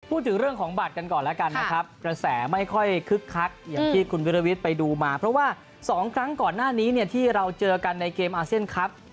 พูดจึงเรื่องของบัตรกันก่อนแล้วกันนะครับ